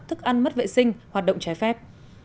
thức ăn mất vệ sinh hoạt động trái phép